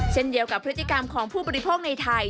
เช่นเดียวกับพฤติกรรมของผู้บริโภคในไทย